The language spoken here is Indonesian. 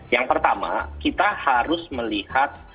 yang pertama kita harus melihat